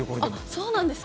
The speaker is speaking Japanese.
そうなんですか。